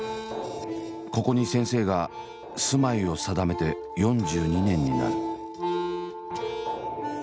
ここに先生が住まいを定めて４２年になる。